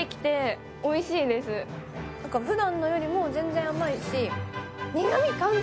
ふだんのよりも全然甘いし。